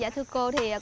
thời cha mẹ